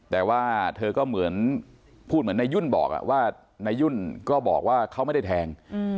แต่เธอก็พูดเหมือนนายุ่นบอกว่านายุ่นก็บอกว่าเค้าไม่ได้แทง